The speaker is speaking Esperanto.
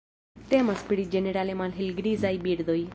Temas pri ĝenerale malhelgrizaj birdoj.